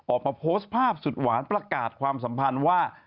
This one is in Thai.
ออกมาโพสต์ภาพสุดหวานประกาศความสัมพันธ์ว่า